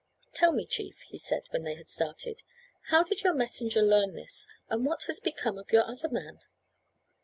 "Tell me, chief," he said, when they had started, "how did your messenger learn this, and what has become of your other man?"